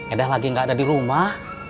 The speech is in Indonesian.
udah lagi gak ada di rumah